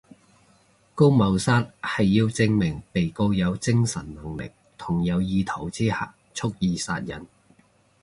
告謀殺係要證明被告有精神能力同有意圖之下蓄意殺人